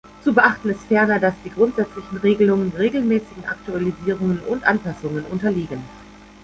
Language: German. Zu beachten ist ferner, dass die grundsätzlichen Regelungen regelmäßigen Aktualisierungen und Anpassungen unterliegen.